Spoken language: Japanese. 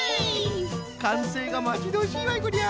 かんせいがまちどおしいわいこりゃ。